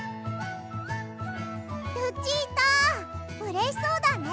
ルチータうれしそうだね。